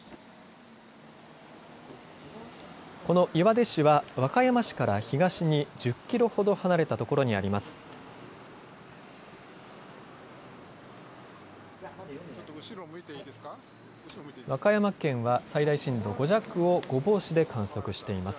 この岩出市は和歌山市から東に１０キロほど離れたところにあります。